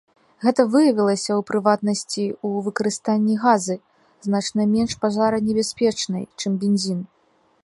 Гэта выявілася, у прыватнасці, у выкарыстанні газы, значна менш пажаранебяспечнай, чым бензін.